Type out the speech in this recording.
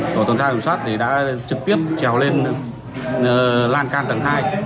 tổ tổn trang kiểm soát thì đã trực tiếp trèo lên lan can tầng hai